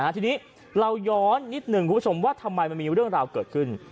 ทีนี้เราย้อนนิดหนึ่งคุณผู้ชมว่าทำไมมันมีเรื่องราวเกิดขึ้น